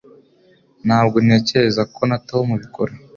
Ntabwo ntekereza ko na Tom bikora